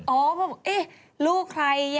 อ๋อพอพอเอ๊ะรู้ใครยังไง